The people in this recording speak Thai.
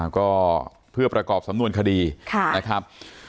ก็เพื่อประกอบสำนวนคดีนะครับ